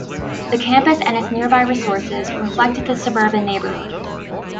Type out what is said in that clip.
The campus and its nearby resources reflect the suburban neighborhood.